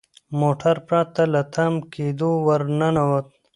موټر پرته له تم کیدو ور ننوت.